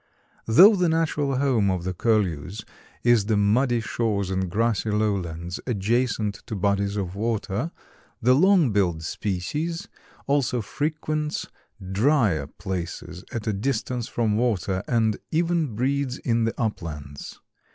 Though the natural home of the curlews is the muddy shores and grassy lowlands adjacent to bodies of water the Long billed species also frequents drier places at a distance from water, and even breeds in the uplands.